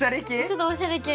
ちょっとおしゃれ系。